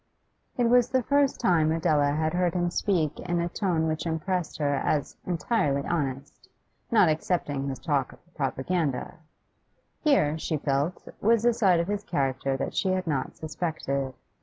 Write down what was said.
It was the first time Adela had heard him speak in a tone which impressed her as entirely honest, not excepting his talk of the Propaganda. Here, she felt, was a side of his character that she had not suspected.